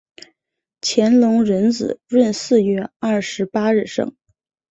乾隆壬子闰四月二十八日生。